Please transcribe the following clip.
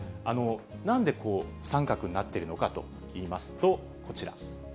なんで三角になっているのかといいますと、こちら。